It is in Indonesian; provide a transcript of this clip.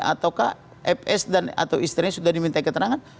ataukah fs atau istrinya sudah diminta keterangan